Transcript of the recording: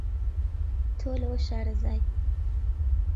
تۆ لەوە شارەزای